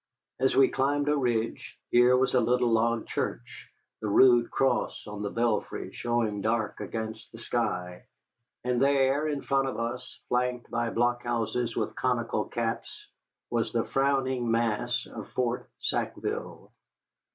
As we climbed a ridge, here was a little log church, the rude cross on the belfry showing dark against the sky. And there, in front of us, flanked by blockhouses with conical caps, was the frowning mass of Fort Sackville.